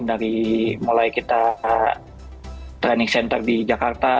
dari mulai kita training center di jakarta